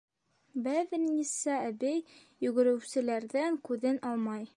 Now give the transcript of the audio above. Бәҙерниса әбей, йүгереүселәрҙән күҙен алмай: